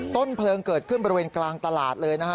ต้นเพลิงเกิดขึ้นบริเวณกลางตลาดเลยนะฮะ